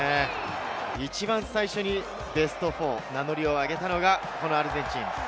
一番最初にベスト４に名乗りを上げたのがアルゼンチン。